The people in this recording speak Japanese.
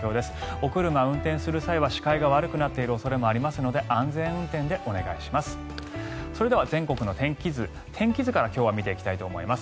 お車、運転する際は視界が悪くなっている恐れもありますので安全運転でお願いします。